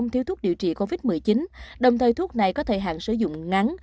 sáu thiếu thuốc điều trị covid một mươi chín đồng thời thuốc này có thời hạn sử dụng ngắn